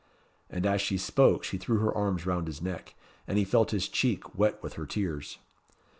And as she spoke she threw her arms round his neck, and he felt his cheek wet with her tears.